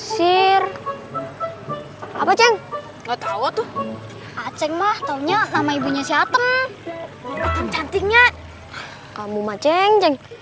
sir apa ceng nggak tahu tuh acing mbah taunya nama ibunya si atem cantiknya kamu maceng ceng